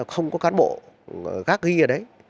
không có cán bộ gác ghi ở đấy